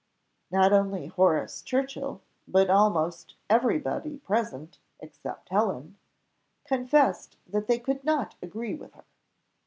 Not only Horace Churchill, but almost every body present, except Helen, confessed that they could not agree with her.